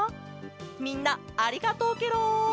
みんなありがとうケロ！